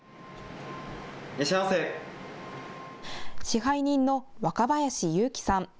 支配人の若林優貴さん。